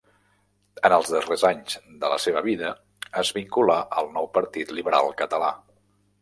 En els darrers anys de la seva vida es vinculà al nou Partit Liberal Català.